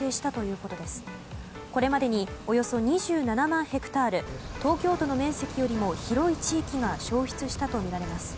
これまでにおよそ２７万ヘクタール東京都の面積よりも広い地域が焼失したとみられます。